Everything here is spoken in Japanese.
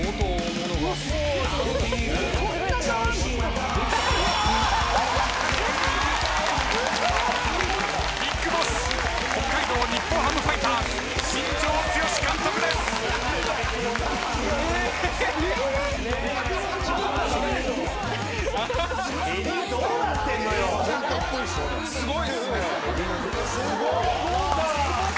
・すごいですね。